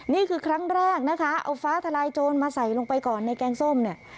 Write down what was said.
นี่คือครั้งแรกนะคะเอาฟ้าทลายโจรมาใส่ลงไปก่อนในแกงส้มเนี่ย